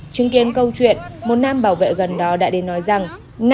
chứng kiến câu chuyện một nam bảo vệ gần đó đã đến nói rằng